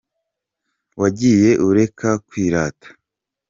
Wagiye ureka kwirata.